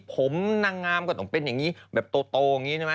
ผมนางงามก็ต้องเป็นอย่างนี้แบบโตอย่างนี้ใช่ไหม